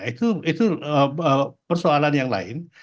itu persoalan yang lain